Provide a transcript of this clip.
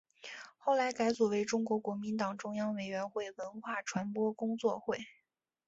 后来改组为中国国民党中央委员会文化传播工作会。